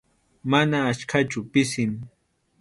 Mana achkachu, pisim.